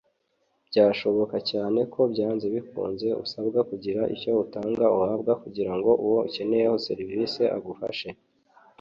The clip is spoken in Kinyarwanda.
Byashoboka cyane ko byanze bikunze usabwa kugira icyo utanga/uhabwa kugirango uwo ukeneyeho serivise agufashe